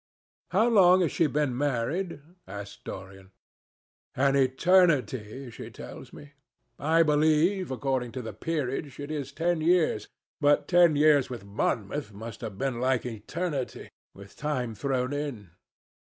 "How long has she been married?" asked Dorian. "An eternity, she tells me. I believe, according to the peerage, it is ten years, but ten years with Monmouth must have been like eternity, with time thrown in.